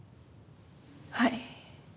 はい。